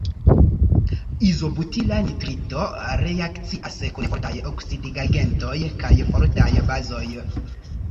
Izobutila nitrito reakcias kun fortaj oksidigagentoj kaj fortaj bazoj.